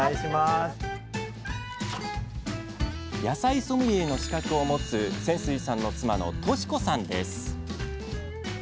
野菜ソムリエの資格を持つ泉水さんの妻の淑子さんです。